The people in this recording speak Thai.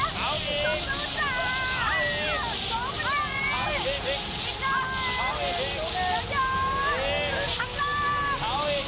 ครับพร้อมแล้วนะครับปล่อยเลย